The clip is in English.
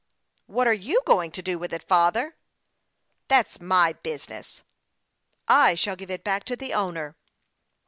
" What are you going to do with it, father ?"" That's my business." " I shall give it back to the oAvner."